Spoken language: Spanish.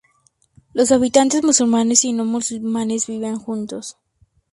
Los habitantes musulmanes y no musulmanes vivían juntos.